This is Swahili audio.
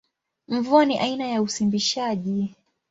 Mvua ni aina ya usimbishaji.